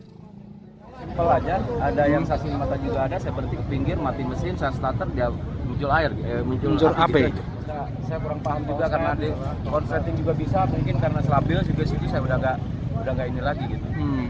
saya kurang paham juga karena konfeting juga bisa mungkin karena stabil juga sih saya udah gak ini lagi gitu